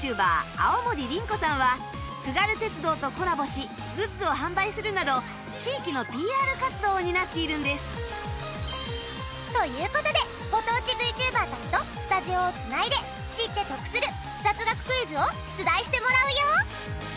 青森りんこさんは津軽鉄道とコラボしグッズを販売するなど地域の ＰＲ 活動を担っているんですという事でご当地 ＶＴｕｂｅｒ たちとスタジオを繋いで知って得する雑学クイズを出題してもらうよ！